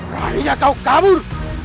berani kau kabur